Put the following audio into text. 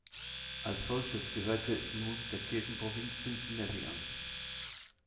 Als solches gehörte es nun der Kirchenprovinz Cincinnati an.